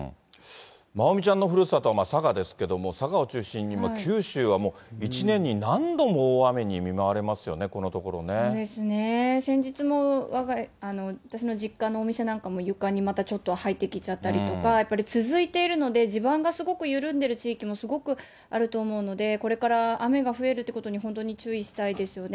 まおみちゃんのふるさとは佐賀ですけれども、佐賀を中心に九州はもう１年に何度も大雨に見舞われますよね、こそうですね、先日も私の実家のお店なんかも床にまたちょっと入ってきちゃったりとか、やっぱり続いているので、地盤がすごく緩んでいる地域もすごくあると思うので、これから雨が増えるっていうことに、本当に注意したいですよね。